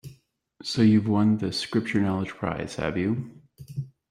So you've won the Scripture-knowledge prize, have you?